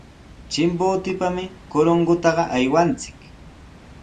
Chimbotepami Corongota aywanchik.